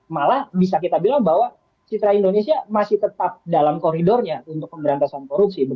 malah bisa kita bilang bahwa citra indonesia masih tetap dalam koridornya untuk pemberantasan korupsi